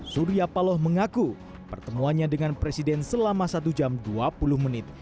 surya paloh mengaku pertemuannya dengan presiden selama satu jam dua puluh menit